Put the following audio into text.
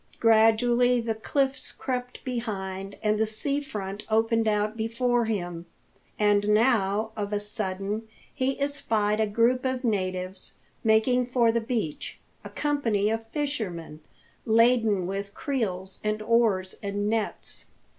Gradually the cliffs crept behind, and the seafront opened out before him. And now, of a sudden, he espied a group of natives making for the beach a company of fishermen, laden with creels, and oars, and nets.